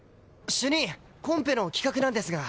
主任コンペの企画なんですが。